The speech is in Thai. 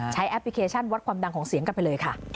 แอปพลิเคชันวัดความดังของเสียงกลับไปเลยค่ะ